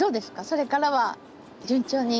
それからは順調に？